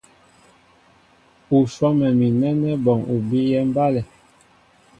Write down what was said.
U swɔ́mɛ mi nɛ́nɛ́ bɔŋ u bíyɛ́ mbálɛ.